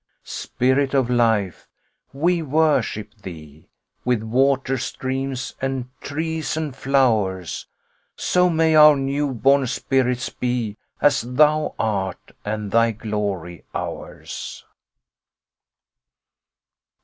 Spirit of Life, we worship Thee, With waterstreams and trees and flowers; So may our new born spirits be As Thou art, and Thy glory ours.